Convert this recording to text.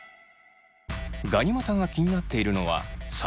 ガニ股が気になっているのはさ